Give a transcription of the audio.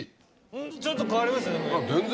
ちょっと変わりますよね雰囲気。